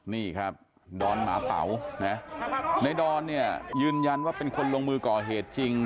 นี่ครับดอนหมาเป๋านะในดอนเนี่ยยืนยันว่าเป็นคนลงมือก่อเหตุจริง